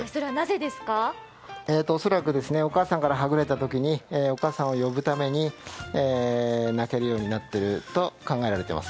おそらくお母さんからはぐれたときにお母さんを呼べるように鳴けるようになっていると考えられています。